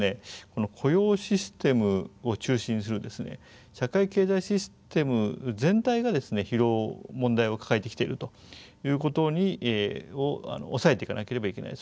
この雇用システムを中心にする社会経済システム全体が疲労問題を抱えてきているということを押さえていかなければいけない。